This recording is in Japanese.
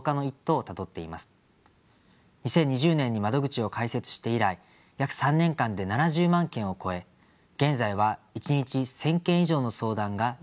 ２０２０年に窓口を開設して以来約３年間で７０万件を超え現在は１日１，０００件以上の相談が寄せられています。